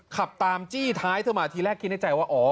ขับตามจี้ท้ายเธอมาทีแรกคิดในใจว่าอ๋อ